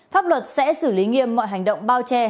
pháp luật sẽ xử lý nghiêm mọi hành động bao che